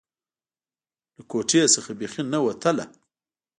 له کوټې څخه بيخي نه وتله.